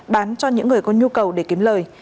bán cho những người có nhu cầu để kiếm lời